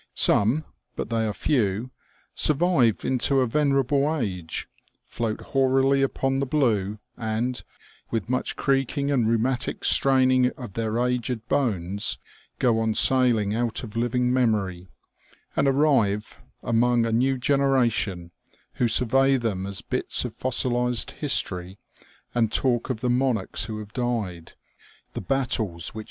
Some, but they are few, survive into a venerable age, float hoarily upon the blue, and, with much creaking and rheumatic straining of their aged bones, go on sailing out of living memory, and arrive among a new genera tion, who survey them as bits of fossilized history, and talk of the Monarchs who have died, the battles which 188 OLD SHIPS.